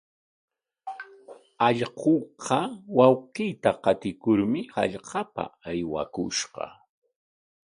Allquuqa wawqiita qatikurmi hallqapa aywakushqa.